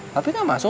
papi gak masuk